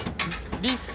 リス。